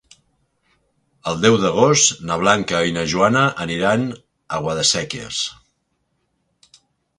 El deu d'agost na Blanca i na Joana aniran a Guadasséquies.